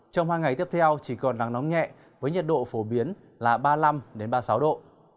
trong hai ngày tiếp theo chỉ còn nắng nóng nhẹ với nhiệt độ phổ biến là ba mươi năm ba mươi sáu độ